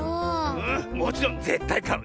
うんもちろんぜったいかう。